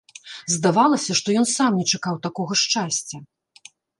Здавалася, што ён сам не чакаў такога шчасця.